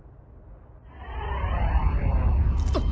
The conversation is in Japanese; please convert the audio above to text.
あっ！